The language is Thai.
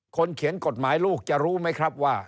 เขียนกฎหมายลูกจะรู้ไหมครับว่า